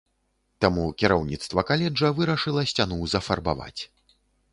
Таму кіраўніцтва каледжа вырашыла сцяну зафарбаваць.